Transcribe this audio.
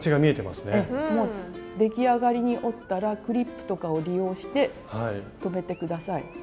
ええもう出来上がりに折ったらクリップとかを利用して留めて下さい。